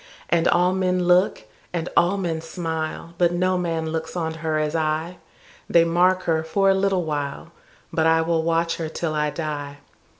And all men look, and all men smile, But no man looks on her as I:They mark her for a little while, But I will watch her till I die.